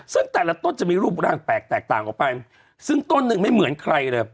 ซึ่งแต่ละต้นจะมีรูปร่างแปลกแตกต่างออกไปซึ่งต้นหนึ่งไม่เหมือนใครเลย